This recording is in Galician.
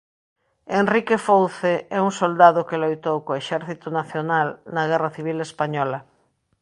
Enrique Fouce é un soldado que loitou co exército nacional na guerra civil española.